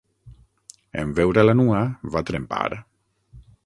En veure-la nua va trempar.